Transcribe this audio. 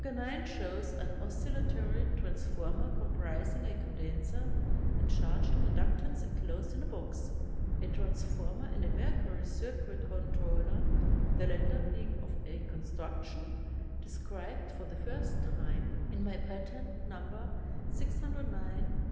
9 shows an oscillatory trans former comprising a condenser and charg ing inductance enclosed in a box, a trans former and a mercury circuit controller, the latter being of a construction described for the first time in my patent No.